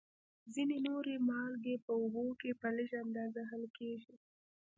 ځینې نورې مالګې په اوبو کې په لږ اندازه حل کیږي.